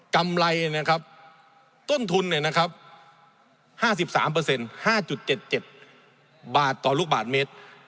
กำไรนะครับต้นทุน๕๓๕๗๗บาทต่อลูกบาทเมตร